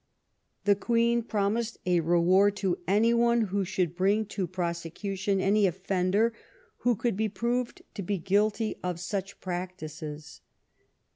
The Queen promised a reward to any one who should bring to prosecution any offender who could be proved to be guilty of such practices.